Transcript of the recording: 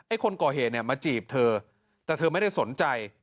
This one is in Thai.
คนก่อเหตุเนี่ยมาจีบเธอแต่เธอไม่ได้สนใจ